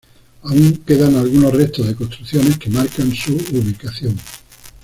Aún quedan algunos restos de construcciones que marcan su ubicación.